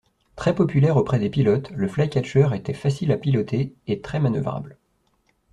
Très populaire auprès des pilotes, le Flycatcher était facile à piloter et très manœuvrable.